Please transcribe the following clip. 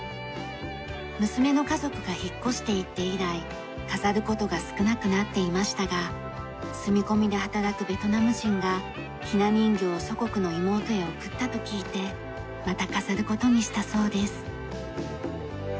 娘の家族が引っ越していって以来飾る事が少なくなっていましたが住み込みで働くベトナム人がひな人形を祖国の妹へ贈ったと聞いてまた飾る事にしたそうです。